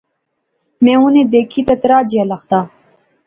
میں انیں دیکھی تہ ترہا جیا لختا